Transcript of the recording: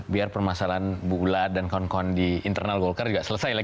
biar permasalahan bu ula dan kon kon di internal golkar juga selesai lah